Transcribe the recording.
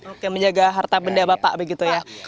oke menjaga harta benda bapak begitu ya